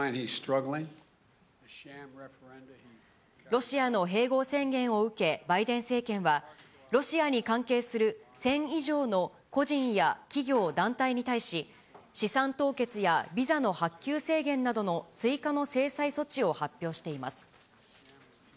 ロシアの併合宣言を受け、バイデン政権は、ロシアに関係する１０００以上の個人や企業、団体に対し、資産凍結や、ビザの発給制限などの追加の制裁措置を発表しています。